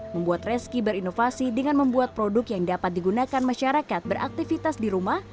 membuat reski berinovasi dengan membuat produk yang dapat digunakan masyarakat beraktivitas di rumah